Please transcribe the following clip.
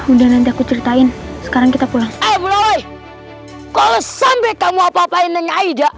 udah nanti aku ceritain sekarang kita pulang